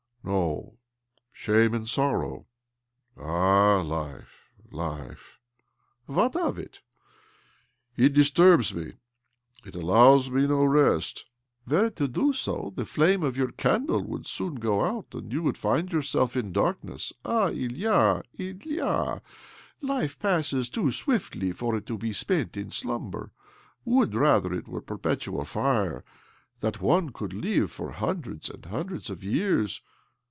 " No, shame and sorrow. Ah, life, life I " "What of it?" " It disturbs me— it allows me no rest."^ " Were it to do so, the flame of your candle would soon go out, and you would find yourself in darkness. Ah, Ilya, Ilya I Life passes too swiftly for it to be spent in 240 OBLOMOV slumber. Would, rather, it were a pei petual fire !— that one could live for hun dreds and hundreds of years